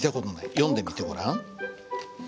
読んでみてごらん。